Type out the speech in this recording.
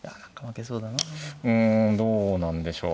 うんどうなんでしょう。